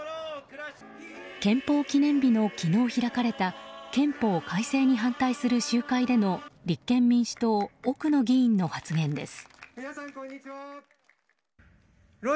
憲法記念日の昨日開かれた憲法改正に反対する集会での立憲民主党奥野議員の発言です。